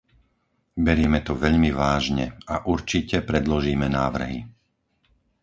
Berieme to veľmi vážne a určite predložíme návrhy.